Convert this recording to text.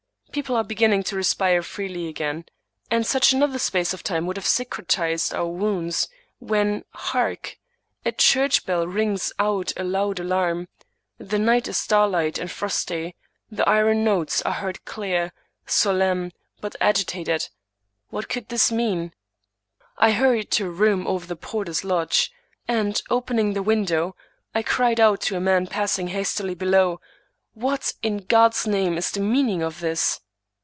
People are beginning to respire freely again ; and such another space of time would have cicatrized our wounds — when, hark ! a church bell rings out a loud alarm; — the night is starlight and frosty — ^the iron notes are heard clear, solemn, but agitated. What could this mean? I hurried to a room over the porter's lodge, and, opening the window, I cried out to a man passing hastily below, " What, in God's name, is the meaning of this